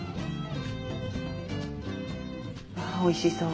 わあおいしそう。